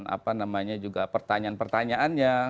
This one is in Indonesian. apa namanya juga pertanyaan pertanyaannya